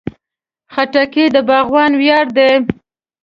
خټکی د باغوان ویاړ دی.